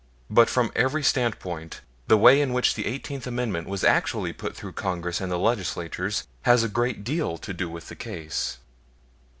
But from every standpoint the way in which the Eighteenth Amendment was actually put through Congress and the Legislatures has a great deal to do with the case.